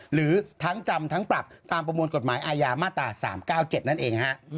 หรือทั้งจำทั้งปรับตามประมวลกฎหมายอาญามาตรา๓๙๗นั่นเองฮะ